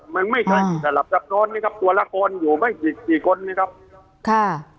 มันไม่ใช่แต่หลับนอนนี่ครับตัวละครอยู่ไม่กี่สี่คนนี้ครับค่ะ